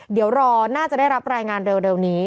เดี๋ยวรอน่าจะได้รับรายงานเร็วนี้